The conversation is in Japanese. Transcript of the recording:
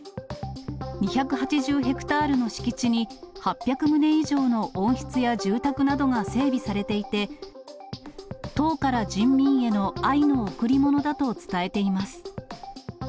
２８０ヘクタールの敷地に、８００棟以上の温室や住宅などが整備されていて、党から人民への愛の贈り物だと伝えています。